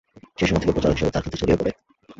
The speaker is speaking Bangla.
সেই সময় থেকে প্রচারক হিসেবে তাঁর খ্যাতি ছড়িয়ে পড়ে।